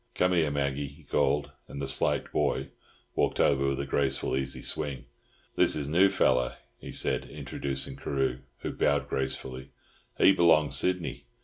Come here, Maggie," he called, and the slight "boy" walked over with a graceful, easy swing. "This is new feller?" he said, introducing Carew, who bowed gracefully. "He b'long Sydney.